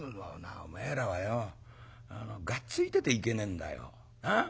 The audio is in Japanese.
「おめえらはよがっついてていけねえんだよ。